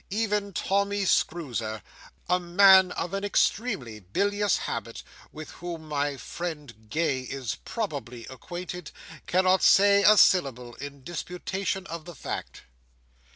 Even Tommy Screwzer,—a man of an extremely bilious habit, with whom my friend Gay is probably acquainted—cannot say a syllable in disputation of the fact."